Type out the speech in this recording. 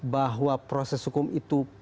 bahwa proses hukum itu